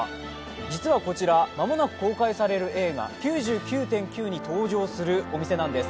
実はこちら、間もなく公開される映画「９９．９」に登場するお店なんです。